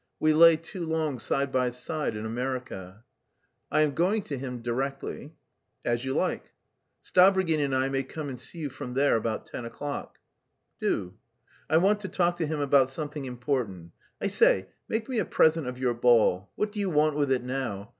We lay too long side by side in America." "I am going to him directly." "As you like." "Stavrogin and I may come and see you from there, about ten o'clock." "Do." "I want to talk to him about something important.... I say, make me a present of your ball; what do you want with it now?